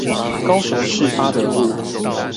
高雄市八德路